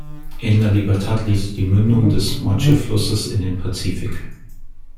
In La Libertad liegt die Mündung des Moche-Flusses in den Pazifik.